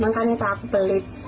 makanya tak aku pelit